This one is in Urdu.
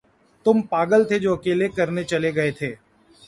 تم پاگل تھے جو اکیلے کرنے چلے گئے تھے۔